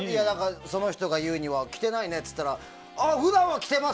その人が言うには着てないねって言ったら普段は着てます！